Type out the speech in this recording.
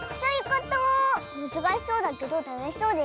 むずかしそうだけどたのしそうでしょ。